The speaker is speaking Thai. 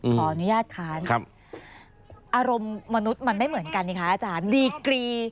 ขออนุญาตค้านอารมณ์มนุษย์มันไม่เหมือนกันนี่คะอาจารย์ดีกรี